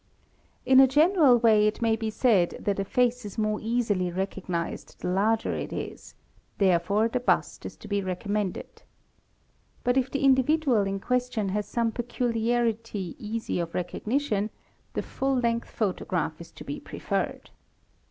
In a general way it may be said that a face is more easily re cognized the larger it is; therefore the bust is to be recommended. But | if the individual in question has some peculiarity easy of recognition, the full length photograph is to be preferred.